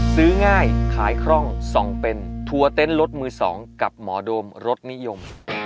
ซื้อง่ายขายคล่องส่องเป็นทัวร์เต้นรถมือ๒กับหมอโดมรสนิยม